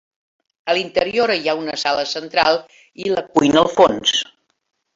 A l'interior hi ha una sala central i la cuina al fons.